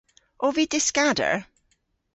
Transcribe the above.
Ov vy dyskader?